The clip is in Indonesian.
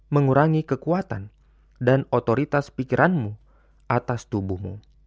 mengurangi kekuatan dan otoritas pikiranmu atas tubuhmu